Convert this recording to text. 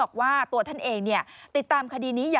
เขาติดตามคดีนี้